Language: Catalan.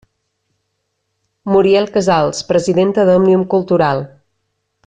Muriel Casals, presidenta d'Òmnium Cultural.